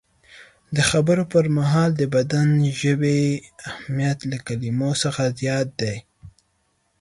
د خبرو پر مهال د بدن ژبې اهمیت له کلمو څخه زیات دی.